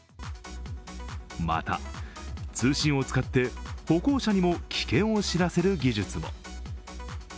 また、通信を使って歩行者にも危険を知らせる技術も。